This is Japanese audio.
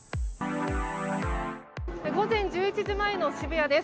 午前１１時前の渋谷です。